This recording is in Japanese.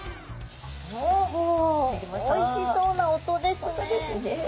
おいしそうな音ですね。